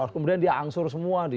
kemudian dia angsur semua